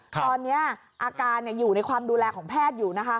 ตอนนี้อาการอยู่ในความดูแลของแพทย์อยู่นะคะ